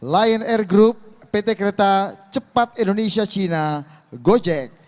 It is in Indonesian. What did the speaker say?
lion air group pt kereta cepat indonesia cina gojek